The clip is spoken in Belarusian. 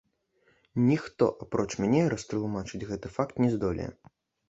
Ніхто апроч мяне растлумачыць гэты факт не здолее.